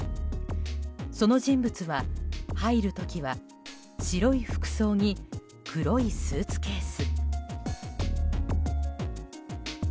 その人物は、入る時は白い服装に黒いスーツケース。